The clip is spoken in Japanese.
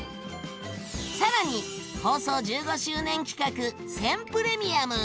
さらに放送１５周年企画「選プレミアム」！